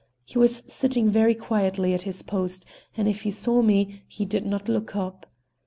He was sitting very quietly at his post, and if he saw me he did not look up.